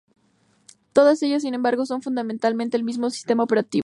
Todos ellos, sin embargo, son fundamentalmente el mismo sistema operativo.